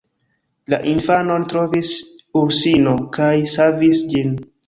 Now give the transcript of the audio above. La infanon trovis ursino kaj savis ĝin.